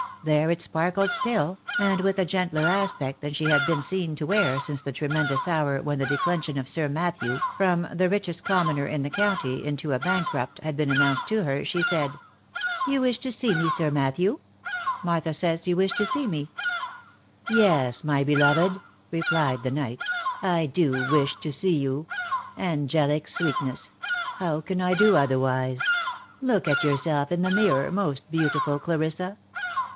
there it sparkled still, and with a gentler aspect than she had been seen to wear since the tremendous hour when the declension of Sir Matthew, from the richest commoner in the county into a bankrupt, had been announced to her, she said, " You wish to see me, Sir Matthew — Martha says you wish to see me." 2 A 354 THE LIFE AND ADVENTURES " Yes my beloved It" replied the knight. " I do wish to see you: Angelic sweetness ! How can I do otherwise ? Look at yourself in the mirror, most beautiful Clarissa